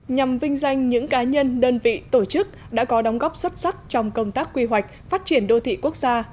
nhằm vinh danh những cá nhân đơn vị tổ chức đã có đóng góp xuất sắc trong công tác quy hoạch phát triển đô thị quốc gia